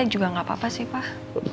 juga nggak apa apa sih pak